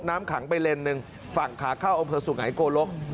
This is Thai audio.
น้ำขังไปเลนหนึ่งฝั่งขาเข้าอำเภอสุไงโกลก